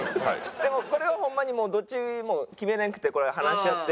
でもこれはホンマにどっちも決めれんくてこれは話し合って。